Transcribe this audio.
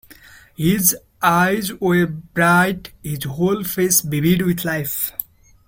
His eyes were bright, his whole face vivid with life.